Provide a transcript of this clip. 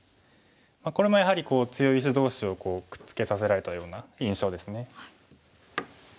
これもやはり強い石同士をくっつけさせられたような印象ですね。